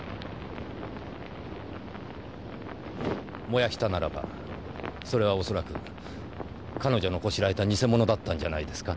燃やしたならばそれは恐らく彼女のこしらえた偽物だったんじゃないですか？